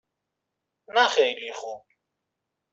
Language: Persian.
نه خیلی خوب.